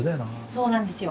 そうなんですよ。